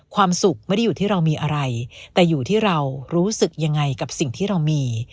ความสุขไม่ได้อยู่ที่เรามีอะไรแต่อยู่ที่เรารู้สึกยังไงกับสิ่งที่เรามี